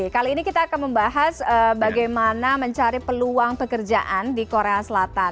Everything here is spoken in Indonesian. kali ini kita akan membahas bagaimana mencari peluang pekerjaan di korea selatan